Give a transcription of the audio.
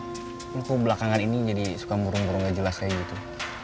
aku belakangan ini jadi suka burung burung gak jelas kayak gitu